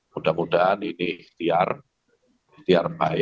mudah mudahan ini ikhtiar baik